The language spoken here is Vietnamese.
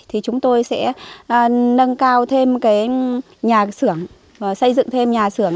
thì chúng tôi sẽ nâng cao thêm cái nhà xưởng xây dựng thêm nhà xưởng